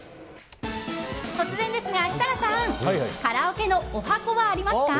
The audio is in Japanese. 突然ですが、設楽さんカラオケのおはこはありますか？